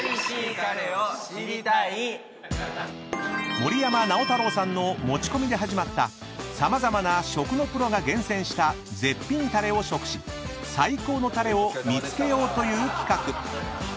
［森山直太朗さんの持ち込みで始まった様々な食のプロが厳選した絶品タレを食し最高のタレを見つけようという企画］